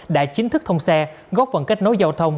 đã chính thức thông xe góp phần kết nối giao thông